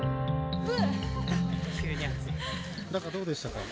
中、どうでしたか？